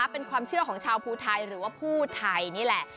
เป็นความเชื่อของชาวพูธรรม์หรือพูมไทยนี่แหละ